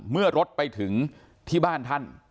เมื่อรถไปถึงที่บ้านท่าน